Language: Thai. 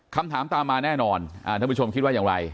คำถามตามมาแน่นอนท่านผู้ชมคิดว่าอย่างไร